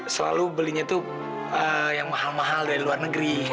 selalu belinya itu yang mahal mahal dari luar negeri